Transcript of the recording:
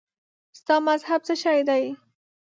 ستا مذهب څه شی دی؟